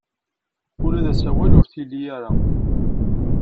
Ula d asawal ur t-ili ara.